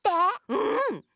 うん。